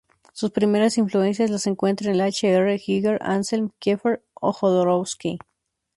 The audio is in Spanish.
Sus primeras influencias las encuentra en H. R. Giger, Anselm Kiefer o Jodorowsky.